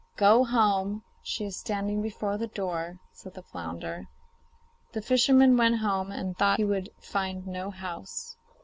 'Go home; she is standing before the door,' said the flounder. The fisherman went home and thought he would find no house.